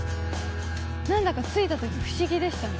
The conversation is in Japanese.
なんだか着いたとき、不思議でしたね。